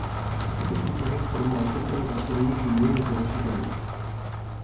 Aquest és un poder formal que és delegat per un individu de poder superior.